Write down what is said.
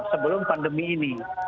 sebelum pandemi ini